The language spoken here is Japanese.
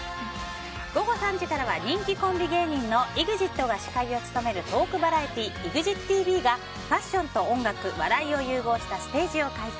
午後３時からは人気コンビ芸人のＥＸＩＴが司会を務めるトークバラエティー「ＥＸＩＴＶ」がファッションと音楽笑いを融合したステージを開催。